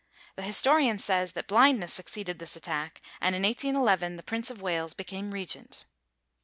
The historian says that blindness succeeded this attack, and in 1811 the Prince of Wales became regent.